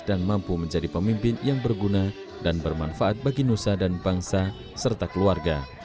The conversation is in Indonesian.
dan mampu menjadi pemimpin yang berguna dan bermanfaat bagi nusa dan bangsa serta keluarga